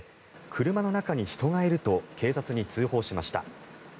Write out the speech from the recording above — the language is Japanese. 車の中に人がいると警察に通報しました。